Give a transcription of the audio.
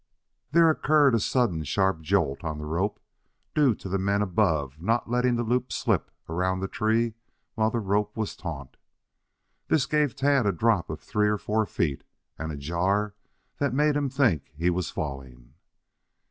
There occurred a sudden sharp jolt on the rope, due to the men above not letting the loops slip around the tree while the rope was taut. This gave Tad a drop of three or four feet and a jar that made him think he was falling.